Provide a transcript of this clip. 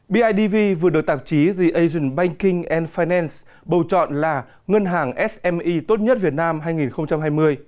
bidv vừa được tạp chí the asian banking and finance bầu chọn là ngân hàng sme tốt nhất việt nam hai nghìn hai mươi